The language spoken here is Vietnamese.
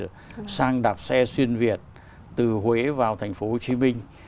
sang đạp xe xuyên việt từ huế vào thành phố hồ chí minh